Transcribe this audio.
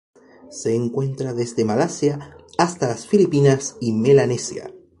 Se encuentra desde Malasia hasta las Filipinas y Melanesia.